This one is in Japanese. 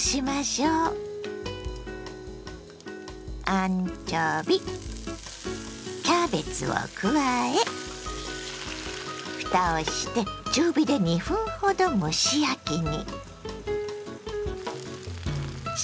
アンチョビキャベツを加えふたをして中火で２分ほど蒸し焼きに。